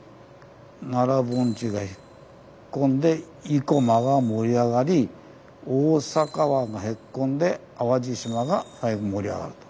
奈良盆地が引っ込んで生駒は盛り上がり大阪湾がへっこんで淡路島が盛り上がると。